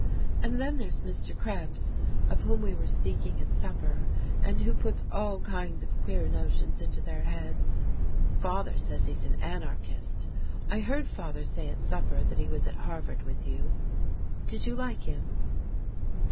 "And then there's Mr. Krebs, of whom we were speaking at supper, and who puts all kinds of queer notions into their heads. Father says he's an anarchist. I heard father say at supper that he was at Harvard with you. Did you like him?"